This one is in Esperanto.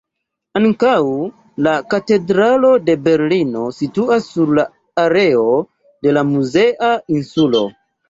Ankaŭ la Katedralo de Berlino situas sur la areo de la muzea insulo.